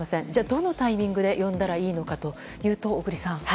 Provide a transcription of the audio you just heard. どのタイミングで呼んだらいいのかというと小栗さん。